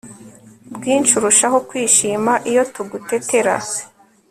bwinshi, urushaho kwishima, iyo tugutetera